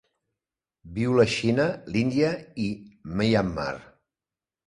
Viu la Xina, l'Índia i Myanmar.